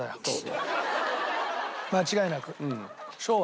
間違いなく昭和。